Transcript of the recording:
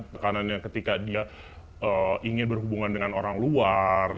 tekanannya ketika dia ingin berhubungan dengan orang luar